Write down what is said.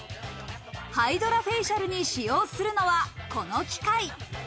ハイドラフェイシャルに使用するのはこの機械。